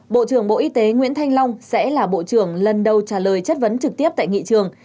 bộ trưởng bộ y tế nguyễn thanh long sẽ là bộ trưởng lần đầu trả lời chất vấn trực tiếp tại nghị trường